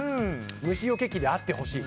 虫よけ器であってほしい。